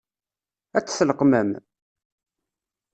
Ad t-tleqqmem?